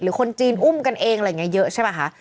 หรือคนจีนอุ้มกันเองอย่างเยอะใช่ปะค่ะ